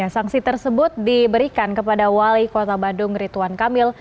sanksi tersebut diberikan kepada wali kota bandung rituan kamil